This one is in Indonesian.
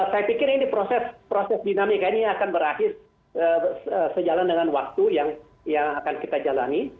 saya pikir ini proses dinamika ini akan berakhir sejalan dengan waktu yang akan kita jalani